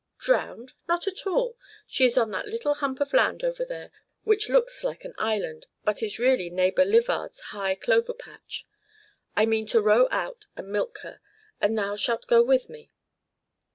"Drowned? Not at all. She is on that little hump of land over there which looks like an island, but is really Neighbor Livard's high clover patch. I mean to row out and milk her, and thou shalt go with me."